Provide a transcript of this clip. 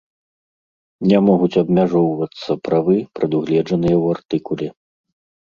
Не могуць абмяжоўвацца правы, прадугледжаныя ў артыкуле.